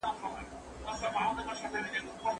که شواهد شتون ولري تورن کس به سزا وویني.